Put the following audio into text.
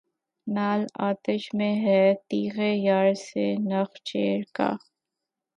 نعل آتش میں ہے تیغ یار سے نخچیر کا